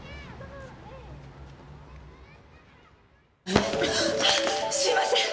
あすいません！